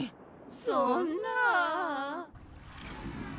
そんな。